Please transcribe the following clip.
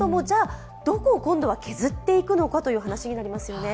どこを今度は削っていくのかという話になりますよね。